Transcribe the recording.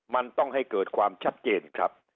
มันต้องให้เกิดความชัดเจนครับ